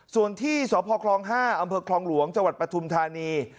ส่วนที่สค๕อำเภอคลองหลวงจปฐุมธานี